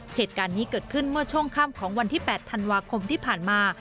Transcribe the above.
เหตุการณ์นี้เกิดขึ้นเมื่อช่วงค่ำของวันที่๘ธันวาคมที่ผ่านมา